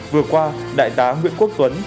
vừa qua đại tá nguyễn quốc tuấn